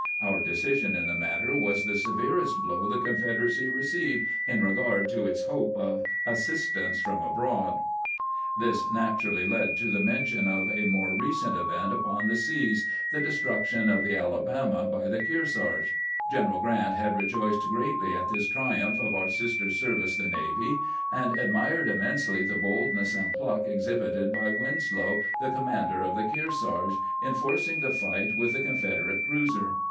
Our decision in the matter was the severest blow the Confederacy received in regard to its hope of ' assistance from abroad.' " This naturally led to the mention of a more recent event upon the seas — the destruction of the Alabama by the Kearsarge. General Grant had rejoiced greatly at this triumph of our sister service the navy, and admired immensely the boldness and pluck exhibited by Winslow, the commander of the Kearsarge, in forcing the fight with the Confederate cruiser.